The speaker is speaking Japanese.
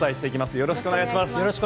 よろしくお願いします。